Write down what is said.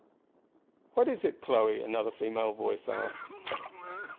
"What is it, Chloe?" another female voice asked.